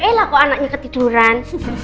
eh lah kok anaknya ketiduran